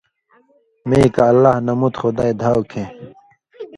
(میں کہ اللہ نہ مُت خدائ دھاؤ کھیں)